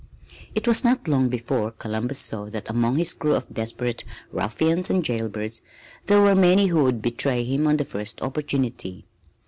It was not long before Columbus saw that among his crew of desperate ruffians and jailbirds there were many who would betray him on the first opportunity.